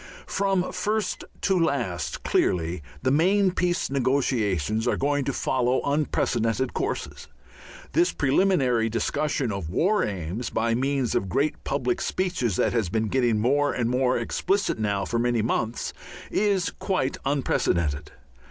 From first to last clearly the main peace negotiations are going to follow unprecedented courses. This preliminary discussion of war aims by means of great public speeches, that has been getting more and more explicit now for many months, is quite unprecedented.